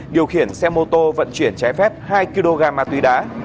điều khiển xe mô tô vận chuyển trái phép hai kg ma túy đá